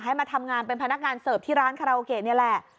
ให้มาทำงานเป็นพนักงานเสิร์ฟที่ร้านคาราโอเกะนี่แหละ